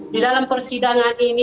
di dalam persidangan ini